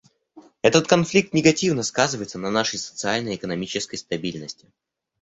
Этот конфликт негативно сказывается на нашей социальной и экономической стабильности.